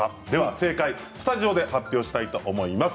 正解はスタジオで発表したいと思います。